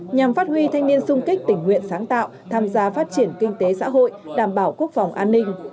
nhằm phát huy thanh niên sung kích tình nguyện sáng tạo tham gia phát triển kinh tế xã hội đảm bảo quốc phòng an ninh